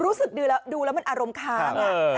รู้สึกดีแล้วดูแล้วมันอารมณ์ค้าง